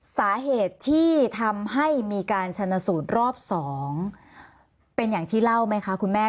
สาเหตุที่ทำให้มีการชนสูตรรอบ๒เป็นอย่างที่เล่าไหมคะคุณแม่